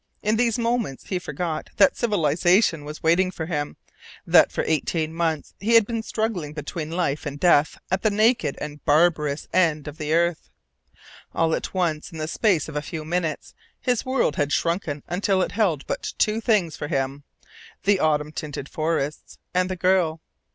In these moments he forgot that civilization was waiting for him, that for eighteen months he had been struggling between life and death at the naked and barbarous end of the earth. All at once, in the space of a few minutes, his world had shrunken until it held but two things for him the autumn tinted forests, and the girl.